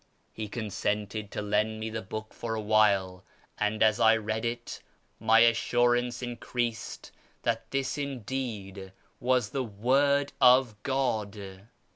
He consented to lend me the book for a while; and as 1 lead it my assurance increased that this indeed was the Word oi" God."